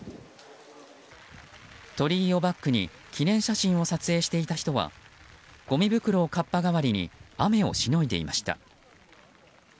鳥居をバックに記念写真を撮影していた人はごみ袋をかっぱ代わりに雨をしのいでいました。